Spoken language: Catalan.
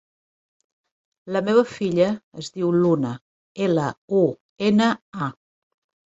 La meva filla es diu Luna: ela, u, ena, a.